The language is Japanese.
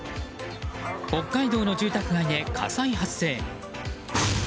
北海道の住宅街で火災発生。